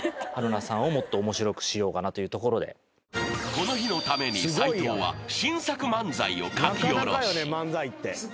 ［この日のために斎藤は新作漫才を書き下ろし］